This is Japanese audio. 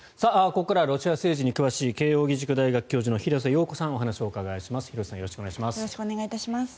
ここからはロシア政治に詳しい慶応義塾大学教授の廣瀬陽子さんにお話をお伺いします。